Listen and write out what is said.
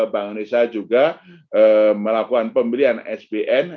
bank indonesia juga melakukan pembelian sbn